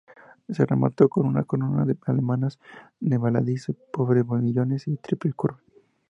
Se remató con una corona de almenas de voladizo sobre modillones de triple curva.